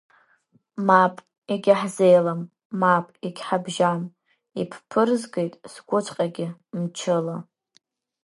Мап, егьаҳзеилам, мап, егьҳабжьам, ибԥырзгеит сгәыҵәҟьагьы мчыла…